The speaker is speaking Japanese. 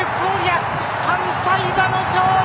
３歳馬の勝利。